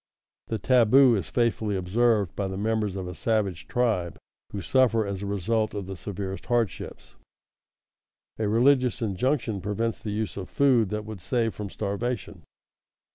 The taboo is faithfully observed by the members of a savage tribe who suffer as a result the severest hardships. A religious injunction prevents the use of food that would save from starvation.